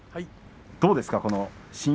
どうですか？